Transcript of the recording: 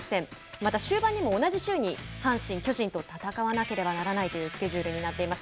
また終盤にも同じ週に阪神、巨人と戦わなければならないというスケジュールになっています。